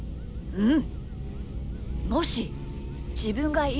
うん。